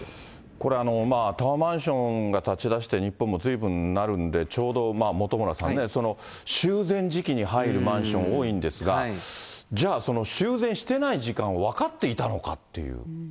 これ、タワーマンションが建ちだして、日本もずいぶんになるんで、ちょうど本村さんね、修繕時期に入るマンション、多いんですが、じゃあ、修繕してない時間を分かっていたのかっていう。